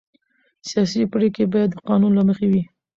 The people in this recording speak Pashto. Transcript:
سیاسي پرېکړې باید د قانون له مخې وي